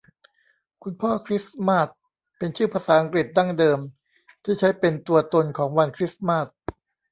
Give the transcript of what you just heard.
คุณพ่อคริสมาสต์เป็นชื่อภาษาอังกฤษดั้งเดิมที่ใช้เป็นตัวตนของวันคริสต์มาส